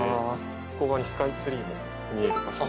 ここにスカイツリーも見える場所が。